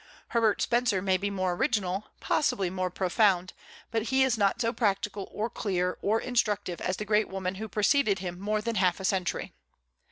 Herbert Spencer may be more original, possibly more profound, but he is not so practical or clear or instructive as the great woman who preceded him more than half a century.